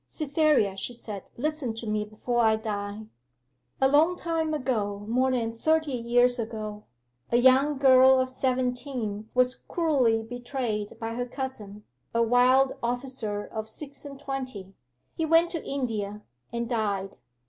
'Cytherea,' she said, 'listen to me before I die. 'A long time ago more than thirty years ago a young girl of seventeen was cruelly betrayed by her cousin, a wild officer of six and twenty. He went to India, and died.